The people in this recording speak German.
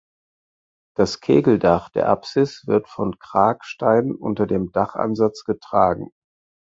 Das Kegeldach der Apsis wird von Kragsteinen unter dem Dachansatz getragen.